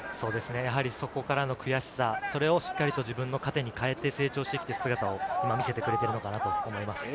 やはりそこからの悔しさ、それをしっかりと自分の糧に変えて成長してきている姿を見せてくれているのかなと思います。